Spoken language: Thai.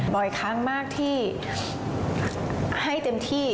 บ่อยครั้งมากที่ให้เต็มที่